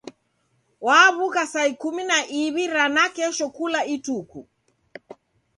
Waw'uka saa ikumi na iw'i ra nakesho kula ituku.